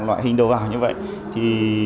loại hình đầu vào như vậy thì